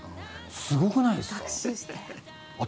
すごくないですか？